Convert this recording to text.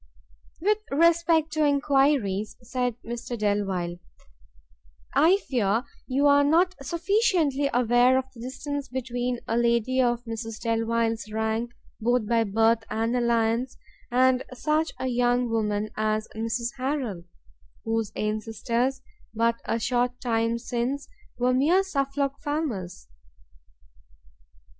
"With respect to enquiries," said Mr Delvile, "I fear you are not sufficiently aware of the distance between a lady of Mrs Delvile's rank, both by birth and alliance, and such a young woman as Mrs Harrel, whose ancestors, but a short time since, were mere Suffolk farmers.